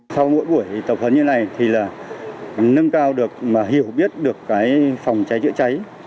sau mỗi buổi tập huấn như này thì là nâng cao được mà hiểu biết được cái phòng cháy chữa cháy